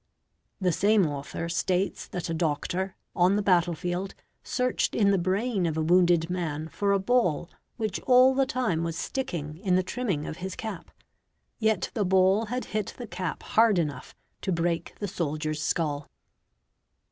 The same author states that a doctor, on the battle field, searched in the brain of a wounded man for a ball which all the time was sticking in the trimming of his cap; yet the ball had hit he cap hard enough to break the soldier's skull.